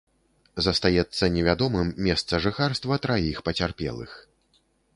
Застаецца невядомым месца жыхарства траіх пацярпелых.